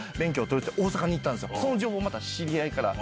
その情報もまた知り合いから。